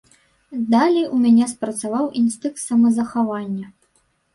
Далей у мяне спрацаваў інстынкт самазахавання.